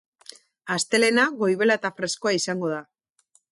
Astelehena goibela eta freskoa izango da.